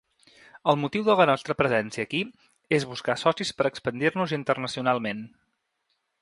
El motiu de la nostra presència aquí és buscar socis per expandir-nos internacionalment.